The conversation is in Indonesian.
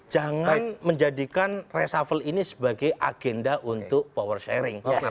jangan menjadikan resafel ini sebagai agenda untuk power sharing